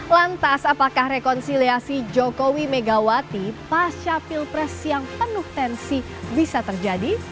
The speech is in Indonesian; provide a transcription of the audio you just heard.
lantas apakah rekonsiliasi jokowi megawati pasca pilpres yang penuh tensi bisa terjadi